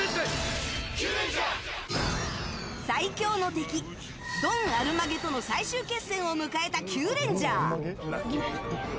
最強の敵ドン・アルマゲとの最終決戦を迎えたキュウレンジャー。